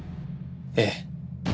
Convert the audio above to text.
ええ。